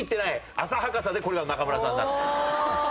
浅はかさでこれが中村さんだっていう事です。